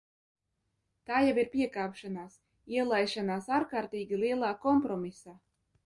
Tā jau ir piekāpšanās, ielaišanās ārkārtīgi lielā kompromisā.